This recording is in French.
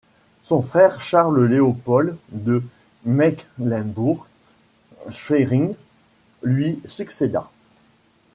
Son frère Charles-Léopold de Mecklembourg-Schwerin lui succéda.